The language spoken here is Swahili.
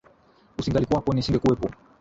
Usingalikuwapo nisingekuwepo.